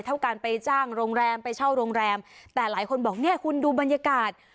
เท่าการไปจ้างโรงแรมไปเช่าโรงแรมแต่หลายคนบอกเนี่ยคุณดูบรรยากาศ